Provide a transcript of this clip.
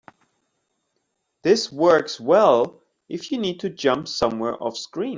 This works well if you need to jump somewhere offscreen.